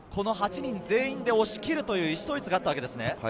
８人全員で押し切るという意思統一があったわけですね。